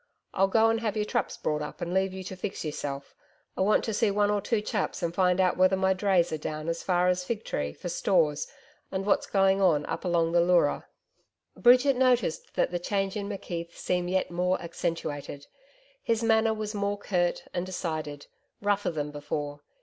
'I'll go and have your traps brought up and leave you to fix yourself. I want to see one or two chaps and find out whether my drays are down as far as Fig Tree for stores and what's going on up along the Leura.' Bridget noticed that the change in McKeith seemed yet more accentuated. His manner was more curt and decided rougher than before.